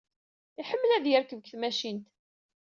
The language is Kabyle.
Yeḥmmel ad yerkeb deg tmacint.